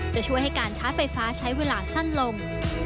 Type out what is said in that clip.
จะช่วยให้การชาร์จไฟฟ้าใช้เวลาสั้นลง